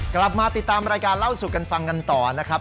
กลับมาติดตามรายการเล่าสู่กันฟังกันต่อนะครับ